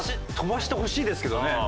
飛ばしてほしいですけどね。